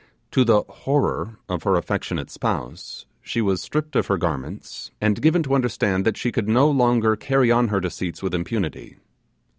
To the horror of her affectionate spouse, she was stripped of her garments, and given to understand that she could no longer carry on her deceits with impunity.